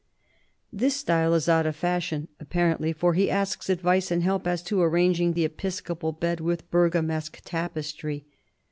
This style is out of fashion , apparently, for he asks advice and help as to arranging the episcopal bed with Bergamesque tapestry.